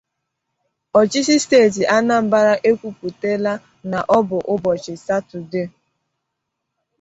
Ọchịchị steeti Anambra ekwupùtela na ọ bụ ụbọchị Satọdee